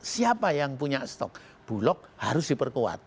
siapa yang punya stok bulog harus diperkuat